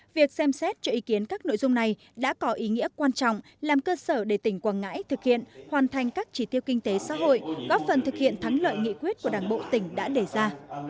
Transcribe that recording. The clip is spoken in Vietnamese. việc xem xét cho ý kiến các nội dung này đã có ý nghĩa quan trọng làm cơ sở để tỉnh quảng ngãi thực hiện hoàn thành các chỉ tiêu kinh tế xã hội góp phần thực hiện thắng lợi nghị quyết của đảng bộ tỉnh đã đề ra